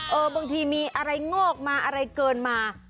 บางทีมีอะไรงอกมาอะไรเกินมา